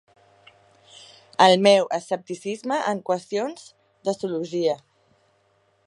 El meu escepticisme en qüestions d'astrologia.